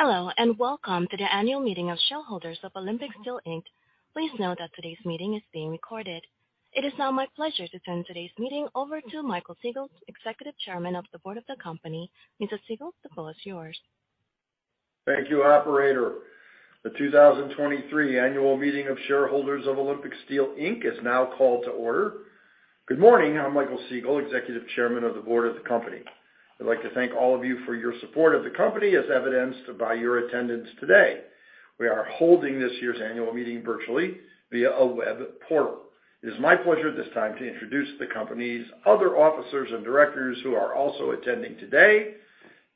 Hello, welcome to the annual meeting of shareholders of Olympic Steel, Inc. Please note that today's meeting is being recorded. It is now my pleasure to turn today's meeting over to Michael Siegal, Executive Chairman of the Board of the company. Mr. Siegal, the floor is yours. Thank you, operator. The 2023 annual meeting of shareholders of Olympic Steel, Inc. is now called to order. Good morning, I'm Michael Siegal, Executive Chairman of the Board of the company. I'd like to thank all of you for your support of the company as evidenced by your attendance today. We are holding this year's annual meeting virtually via a web portal. It is my pleasure at this time to introduce the company's other officers and directors who are also attending today.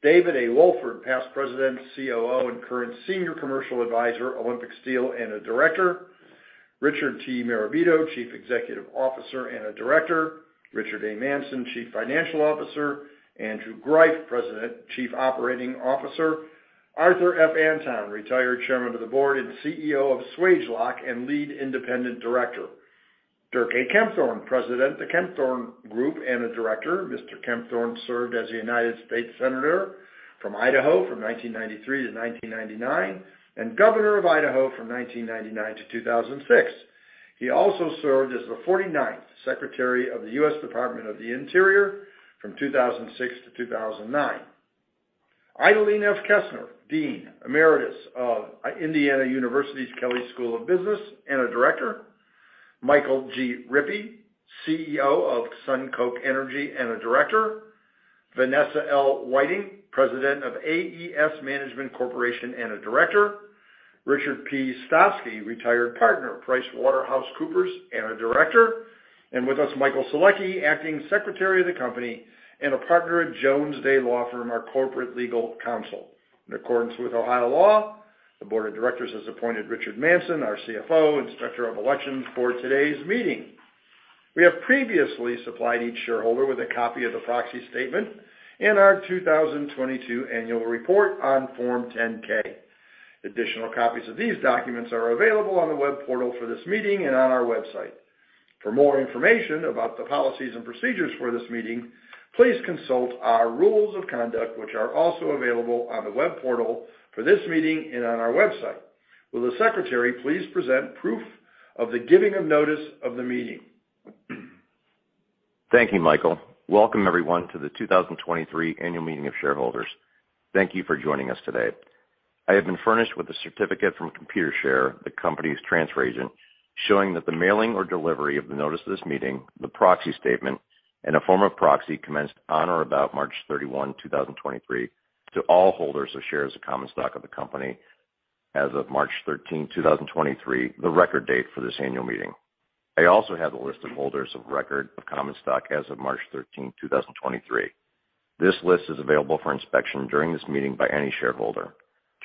David A. Wolfort, past President, Chief Operating Officer, and current Senior Commercial Advisor, Olympic Steel, and a director. Richard T. Marabito, Chief Executive Officer and a director. Richard A. Manson, Chief Financial Officer. Andrew Greiff, President, Chief Operating Officer. Arthur F. Anton, retired Chairman of the Board and Chief Executive Officer of Swagelok and Lead Independent Director. Dirk A. Kempthorne, President, The Kempthorne Group, and a director. Kempthorne served as a United States senator from Idaho from 1993 to 1999, and Governor of Idaho from 1999 to 2006. He also served as the 49th Secretary of the U.S. Department of the Interior from 2006 to 2009. Idalene F. Kesner, Dean Emerita of Indiana University's Kelley School of Business, and a director. Michael G. Rippey, Chief Executive Officer of SunCoke Energy, and a director. Vanessa L. Whiting, President of A.E.S. Management Corporation and a director. Richard P. Stovsky, retired partner, PricewaterhouseCoopers, and a director. With us, Michael Solecki, acting Secretary of the company and a partner at Jones Day, our corporate legal counsel. In accordance with Ohio law, the board of directors has appointed Richard Manson, our Chief Financial Officer, Inspector of Elections for today's meeting. We have previously supplied each shareholder with a copy of the proxy statement and our 2022 annual report on Form 10-K. Additional copies of these documents are available on the web portal for this meeting and on our website. For more information about the policies and procedures for this meeting, please consult our rules of conduct, which are also available on the web portal for this meeting and on our website. Will the secretary please present proof of the giving of notice of the meeting? Thank you, Michael. Welcome everyone to the 2023 annual meeting of shareholders. Thank you for joining us today. I have been furnished with a certificate from Computershare, the company's transfer agent, showing that the mailing or delivery of the notice of this meeting, the proxy statement, and a form of proxy commenced on or about March 31, 2023 to all holders of shares of common stock of the company as of March 13, 2023, the record date for this annual meeting. I also have a list of holders of record of common stock as of March 13, 2023. This list is available for inspection during this meeting by any shareholder.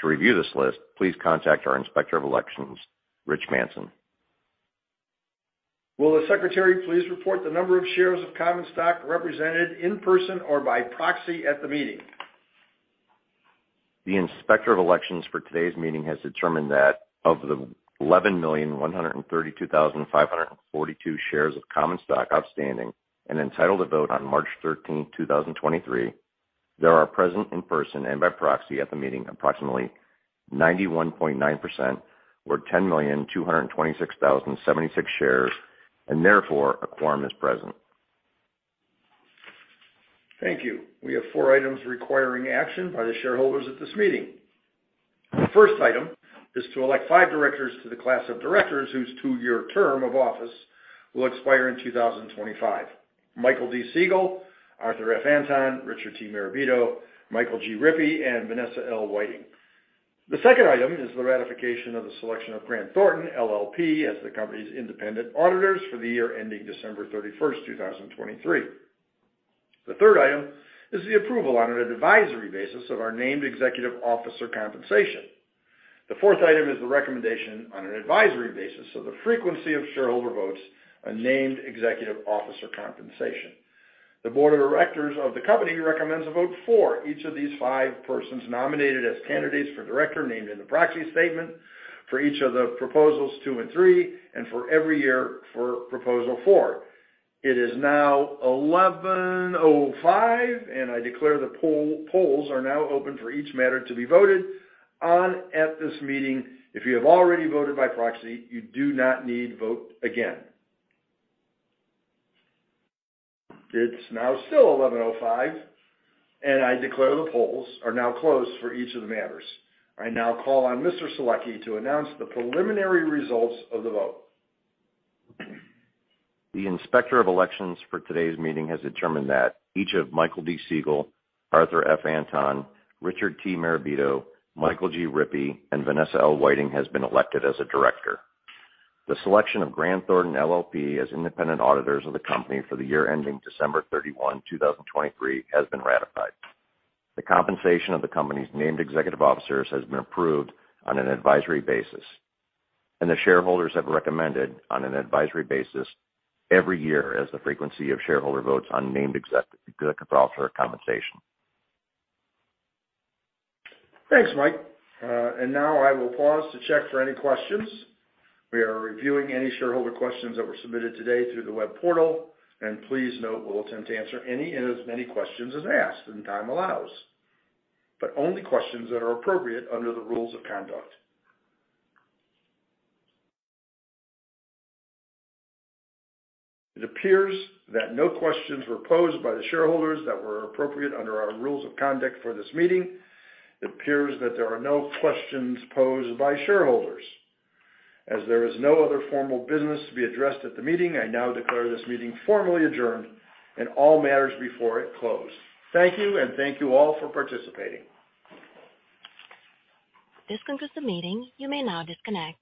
To review this list, please contact our Inspector of Elections, Rich Manson. Will the secretary please report the number of shares of common stock represented in person or by proxy at the meeting? The Inspector of Elections for today's meeting has determined that of the 11,132,542 shares of common stock outstanding and entitled to vote on March 13, 2023, there are present in person and by proxy at the meeting approximately 91.9% or 10,226,076 shares, and therefore a quorum is present. Thank you. We have four items requiring action by the shareholders at this meeting. The first item is to elect five directors to the class of directors whose two-year term of office will expire in 2025. Michael D. Siegal, Arthur F. Anton, Richard T. Marabito, Michael G. Rippey, and Vanessa L. Whiting. The second item is the ratification of the selection of Grant Thornton LLP as the company's independent auditors for the year ending December 31, 2023. The third item is the approval on an advisory basis of our named executive officer compensation. The fourth item is the recommendation on an advisory basis. The frequency of shareholder votes are named executive officer compensation. The board of directors of the company recommends a vote for each of these five persons nominated as candidates for director named in the proxy statement for each of the proposals 2 and 3, and for every year for proposal 4. It is now 11:05, I declare the polls are now open for each matter to be voted on at this meeting. If you have already voted by proxy, you do not need vote again. It's now still 11:05, I declare the polls are now closed for each of the matters. I now call on Mr. Solecki to announce the preliminary results of the vote. The Inspector of Elections for today's meeting has determined that each of Michael D. Siegal, Arthur F. Anton, Richard T. Marabito, Michael G. Rippey, and Vanessa L. Whiting has been elected as a director. The selection of Grant Thornton LLP as independent auditors of the company for the year ending December 31, 2023, has been ratified. The compensation of the company's named executive officers has been approved on an advisory basis, and the shareholders have recommended, on an advisory basis, every year as the frequency of shareholder votes on named executive officer compensation. Thanks, Mike. Now I will pause to check for any questions. We are reviewing any shareholder questions that were submitted today through the web portal. Please note we'll attempt to answer any and as many questions as asked and time allows. Only questions that are appropriate under the rules of conduct. It appears that no questions were posed by the shareholders that were appropriate under our rules of conduct for this meeting. It appears that there are no questions posed by shareholders. As there is no other formal business to be addressed at the meeting, I now declare this meeting formally adjourned and all matters before it close. Thank you. Thank you all for participating. This concludes the meeting. You may now disconnect.